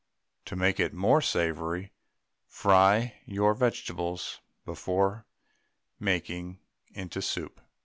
To make it more savoury, fry your vegetables before making into soup.